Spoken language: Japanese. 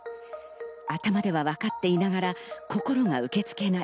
頭では分かっていながら心が受け付けない。